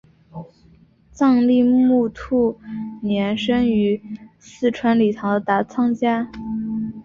藏历木兔年生于四川理塘的达仓家。